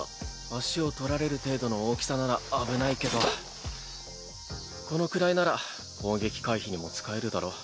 足を取られる程度の大きさなら危ないけどこのくらいなら攻撃回避にも使えるだろ？